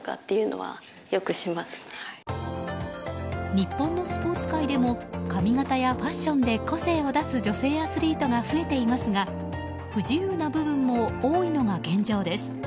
日本のスポーツ界でも髪形やファッションで個性を出す女性アスリートが増えていますが不自由な部分も多いのが現状です。